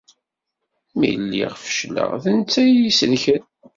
Mi lliɣ fecleɣ, d netta i iyi-isellken.